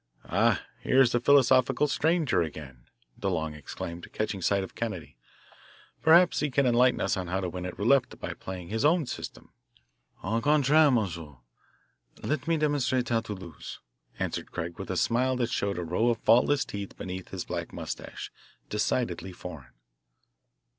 "Ah, here is the philosophical stranger again;" DeLong exclaimed, catching sight of Kennedy. "Perhaps he can enlighten us on how to win at roulette by playing his own system." "Au contrarie, monsieur, let me demonstrate how to lose," answered Craig with a smile that showed a row of faultless teeth beneath his black moustache, decidedly foreign.